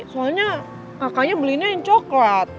soalnya kakaknya belinya yang coklat